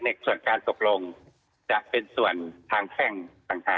ส่วนการตกลงจะเป็นส่วนทางแพ่งต่างหาก